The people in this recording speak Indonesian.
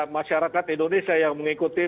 masyarakat indonesia yang mengikuti